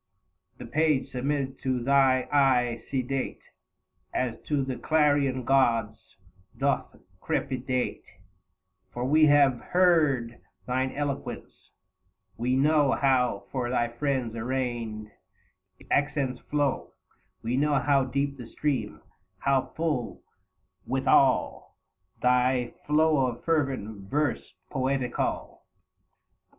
The page, submitted to thine eye sedate, 20 As to the Clarian god's, doth crepitate ; For we have heard thine eloquence, we know How, for thy friends arraigned, its accents flow ; We know how deep the stream, how lull withal Thy flow of fervent verse poetical : 25 * a 2 THE FASTI. Book I.